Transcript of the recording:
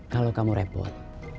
kalau kamu repot